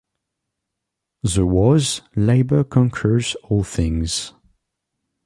The was, Labor Conquers All Things.